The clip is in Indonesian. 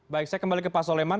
baik saya kembali ke pak soleman